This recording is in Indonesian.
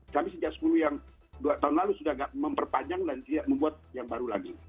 kami sejak sepuluh tahun lalu sudah memperpanjang dan membuat yang baru lagi